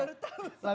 aku juga baru tahu